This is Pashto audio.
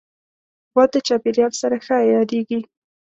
غوا د چاپېریال سره ښه عیارېږي.